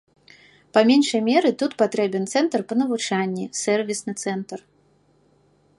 Па меншай меры, тут патрэбен цэнтр па навучанні, сэрвісны цэнтр.